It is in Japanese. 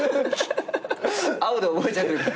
青で覚えちゃってるから。